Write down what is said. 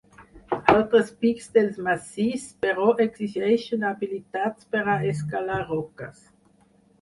Altres pics del massís, però, exigeixen habilitats per a escalar roques.